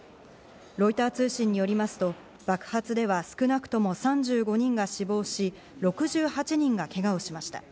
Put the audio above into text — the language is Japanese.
ロイター通信によりますと爆発では少なくとも３５人が死亡し、６８人がけがをしました。